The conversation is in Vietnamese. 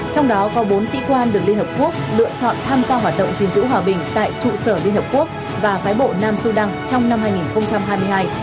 trong đó có bốn sĩ quan được liên hợp quốc lựa chọn tham gia hoạt động gìn giữ hòa bình tại trụ sở liên hợp quốc và phái bộ nam sudan trong năm hai nghìn hai mươi hai